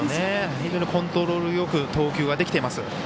非常にコントロールよく投球できています。